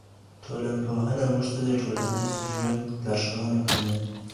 ټولنپوهنه موږ ته د ټولنیز ژوند لارښوونه کوي.